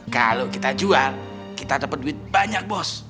kalau kita jual kita dapat duit banyak bos